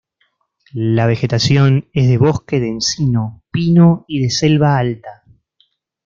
La vegetación es de bosque de encino, pino y de selva alta.